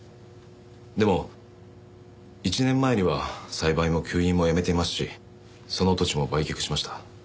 でも１年前には栽培も吸引もやめていますしその土地も売却しました。